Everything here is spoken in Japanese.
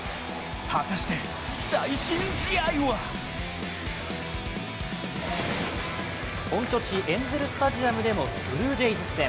果たして、最新試合は本拠地エンゼルスタジアムでのブルージェイズ戦。